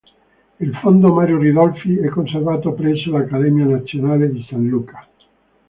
Il fondo Mario Ridolfi è conservato presso l'Accademia nazionale di San Luca.